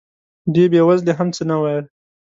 دې بې وزلې هم څه ونه ویل.